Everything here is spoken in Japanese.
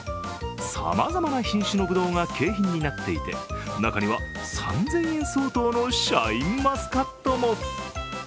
さまざまな品種のぶどうが景品になっていて中には３０００円相当のシャインマスカットも。